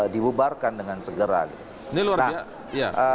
dibubarkan dengan segera ini luar biasa